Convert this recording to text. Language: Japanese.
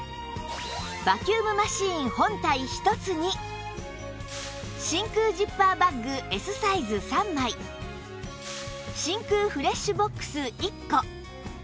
バキュームマシーン本体１つに真空ジッパーバッグ Ｓ サイズ３枚真空フレッシュボックス１個